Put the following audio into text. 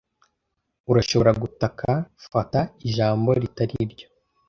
urashobora gutaka fata ijambo ritari ryo